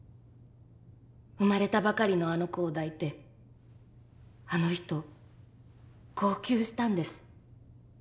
生まれたばかりのあの子を抱いてあの人号泣したんです。